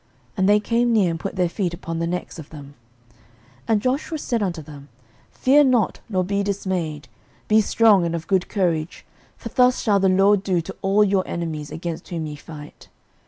And they came near, and put their feet upon the necks of them. 06:010:025 And Joshua said unto them, Fear not, nor be dismayed, be strong and of good courage: for thus shall the LORD do to all your enemies against whom ye fight.